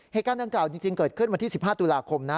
เหตุการณ์ดังกล่าวจริงเกิดขึ้นวันที่๑๕ตุลาคมนะ